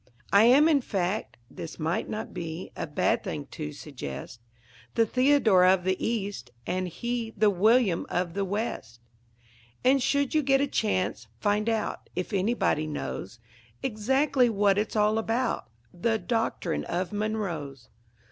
I am, in fact, (this might not be A bad thing to suggest,) The Theodore of the East, and he The William of the West. And, should you get a chance, find out If anybody knows Exactly what it's all about, That Doctrine of Monroe's.